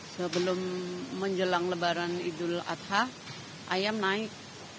sebelum menjelang lebaran idul adha ayam naik